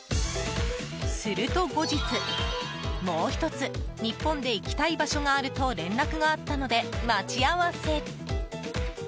すると後日、もう１つ日本で行きたい場所があると連絡があったので待ち合わせ。